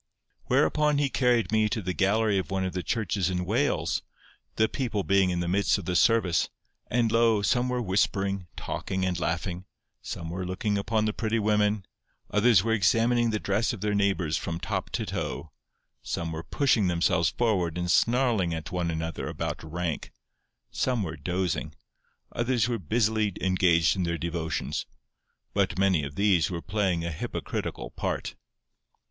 "Whereupon he carried me to the gallery of one of the churches in Wales, the people being in the midst of the service, and lo! some were whispering, talking, and laughing, some were looking upon the pretty women, others were examining the dress of their neighbours from top to toe; some were pushing themselves forward and snarling at one another about rank, some were dozing, others were busily engaged in their devotions, but many of these were playing a hypocritical part."